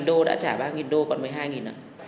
một mươi năm đô đã trả ba đô còn một mươi hai ạ